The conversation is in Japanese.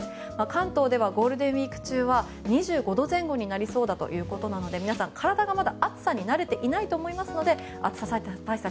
関東ではゴールデンウィーク中は２５度前後になりそうだということなので皆さん、まだ体が暑さに慣れていないと思いますので暑さ対策